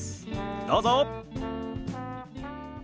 どうぞ。